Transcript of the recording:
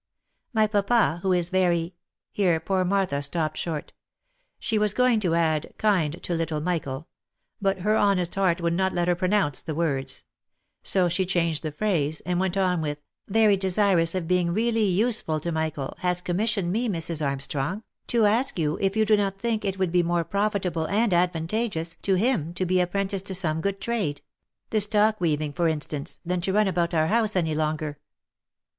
My papa, who is very" — here poor Martha stopped short. She was going to add —" kind to little Michael," but her honest heart would not let her pronounce the words ; so she changed the phrase, and went on with " very desirous of being really useful to Michael, has commissioned me, Mrs. Armstrong, to ask you if you do not think it would be more profitable and advantageous to L 146 THE LIFE AND ADVENTURES him to be apprenticed to some good trade, the stocking weaving for instance, than to run about our house any longer?